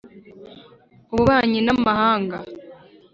ububanyi n Amahanga